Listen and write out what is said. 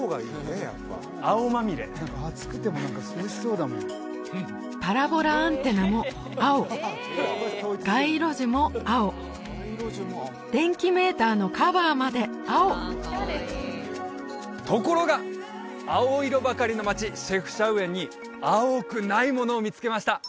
青まみれパラボラアンテナも青街路樹も青電気メーターのカバーまで青ところが青色ばかりの街シェフシャウエンに青くないものを見つけました